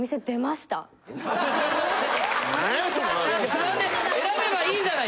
・なんやそれは・選べばいいじゃない！